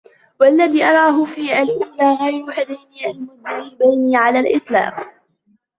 وَاَلَّذِي أَرَاهُ فِي الْأَوْلَى غَيْرُ هَذَيْنِ الْمَذْهَبَيْنِ عَلَى الْإِطْلَاقِ